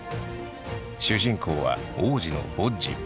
主人公は王子のボッジ。